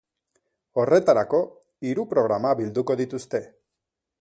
Horretarako, hiru programa bilduko dituzte.